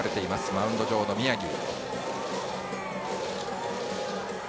マウンド上の宮城。